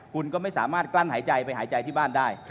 คุณก็ไม่สามารถกลั้นหายใจไปหายใจที่บ้านได้